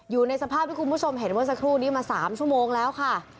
อยู่ในสภาพที่คุณผู้ชมเห็นเมื่อสักครู่นี้มา๓ชั่วโมงแล้วค่ะ